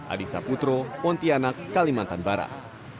adisa putro pontianak kalimantan barat